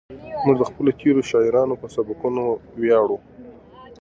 موږ د خپلو تېرو شاعرانو په سبکونو ویاړو.